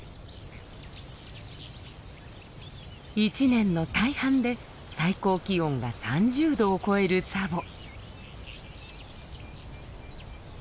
１年の大半で最高気温が３０度を超えるツァボ。